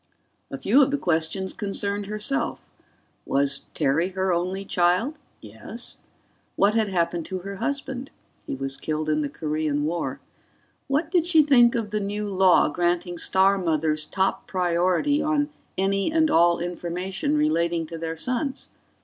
A few of the questions concerned herself: Was Terry her only child? ("Yes.") What had happened to her husband? ("He was killed in the Korean War.") What did she think of the new law granting star mothers top priority on any and all information relating to their sons?